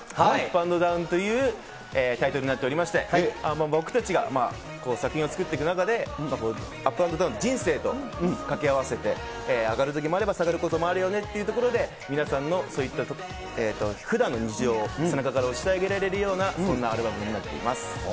Ｕｐ＆Ｄｏｗｎというタイトルになっておりまして、僕たちが作品を作っていく中で、Ｕｐ＆Ｄｏｗｎ、人生と掛け合わせて、上がるときもあれば、下がるときもあるよねっていうことで、皆さんのそういった、ふだんの日常を背中から押してあげられるような、そんなアルバムになっています。